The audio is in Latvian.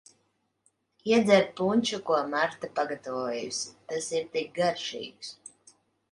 Iedzer punšu, ko Marta pagatavojusi, tas ir tik garšīgs.